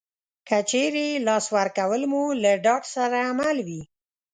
که چېرې لاس ورکول مو له ډاډ سره مل وي